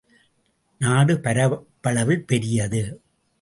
நாடு பரப்பளவில் பெரியது.